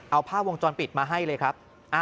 เอาภาพวงจรปิดมาให้เลยครับ